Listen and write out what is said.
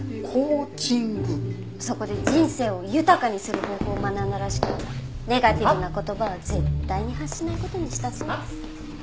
そこで人生を豊かにする方法を学んだらしくネガティブな言葉は絶対に発しない事にしたそうです。